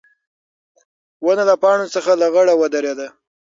ونه له پاڼو څخه لغړه ودرېده.